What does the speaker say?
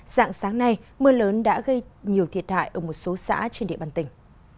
dạng sáng nay mưa lớn đã gây nhiều thiệt hại ở một số xã trên địa bàn tỉnh